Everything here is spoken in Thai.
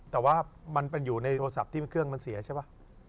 แต่ว่ามันเป็นอยู่ในโทรศัพท์ที่เครื่องมันเสียใช่ป่ะ